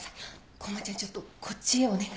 コーマちゃんちょっとこっちお願い。